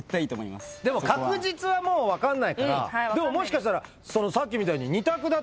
でも確実はもう分かんないからでももしかしたらさっきみたいに２択だったら。